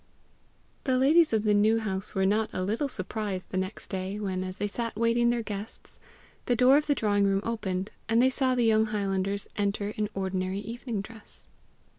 The ladies of the New House were not a little surprised the next day when, as they sat waiting their guests, the door of the drawing room opened, and they saw the young highlanders enter in ordinary evening dress.